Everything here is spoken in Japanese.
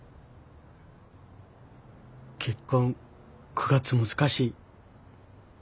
結婚９月難しい。